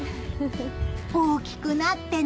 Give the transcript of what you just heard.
大きくなってね！